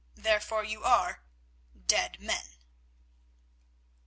Therefore, you are—dead men."